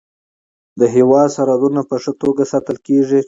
د هیواد سرحدونه په ښه توګه ساتل کیږي.